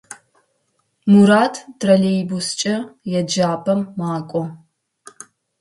Мурат троллейбускӏэ еджапӏэм макӏо.